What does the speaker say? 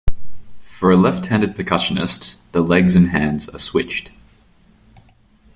For a left-handed percussionist, the legs and hands are switched.